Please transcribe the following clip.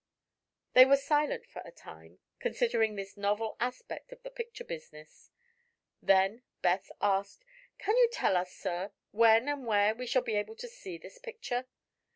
They were silent for a time, considering this novel aspect of the picture business. Then Beth asked: "Can you tell us, sir, when and where we shall be able to see this picture?"